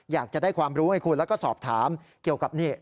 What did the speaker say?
อยากจะได้ความรู้ให้คุณแล้วก็สอบถามเกี่ยวกับนี่